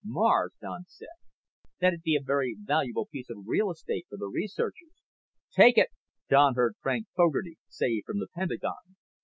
"Mars?" Don said. "That'd be a very valuable piece of real estate for the researchers." "Take it," Don heard Frank Fogarty say from the Pentagon.